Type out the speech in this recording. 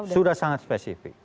sudah sangat spesifik